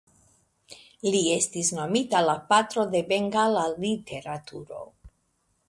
Li estis nomita la "Patro de Bengala literaturo".